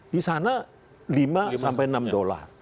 disana lima sampai enam dolar